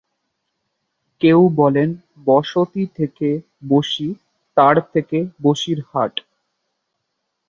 কেউ বলেন বসতি থেকে বসি, তার থেকে বসিরহাট।